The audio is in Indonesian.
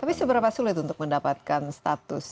tapi seberapa sulit untuk mendapatkan status